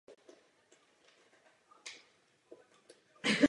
Nedávno přijatá evropská rozhodnutí nám v tom mohou výrazně pomoci.